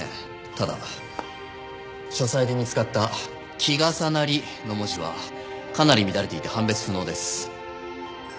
ただ書斎で見つかった「きがさなり」の文字はかなり乱れていて判別不能です。